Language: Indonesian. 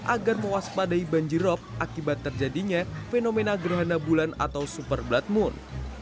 agar mewaspadai banjirop akibat terjadinya fenomena gerhana bulan atau super blood moon